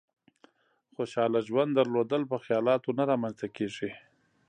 خوشحاله ژوند درلودل په خيالاتو نه رامېنځ ته کېږي.